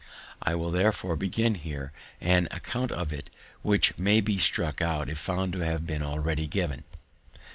I will therefore begin here with an account of it, which may be struck out if found to have been already given.